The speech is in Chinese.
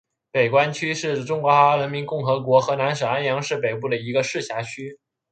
北关区是中华人民共和国河南省安阳市北部一个市辖区。